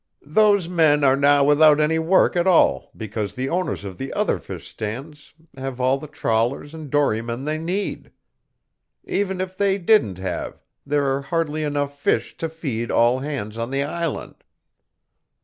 "Those men are now without any work at all because the owners of the other fish stands have all the trawlers and dorymen they need. Even if they didn't have, there are hardly enough fish to feed all hands on the island.